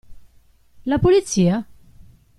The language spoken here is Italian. La Polizia?